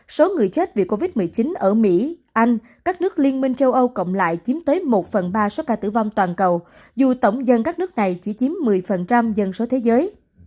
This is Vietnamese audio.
số người chết vì covid một mươi chín ở mỹ anh các nước liên minh châu âu cộng lại chiếm tới một phần ba số ca tử vong toàn cầu dù tổng dân các nước này chỉ chiếm một mươi dân số thế giới